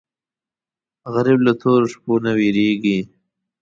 غریب له تورو شپو نه وېرېږي